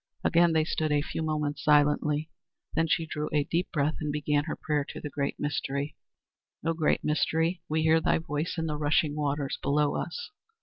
Again they stood a few moments silently; then she drew a deep breath and began her prayer to the Great Mystery: "O, Great Mystery, we hear thy voice in the rushing waters below us!